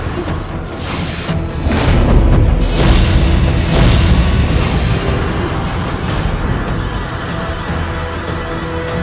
kita harus mini mini fokus untuk mengembangkan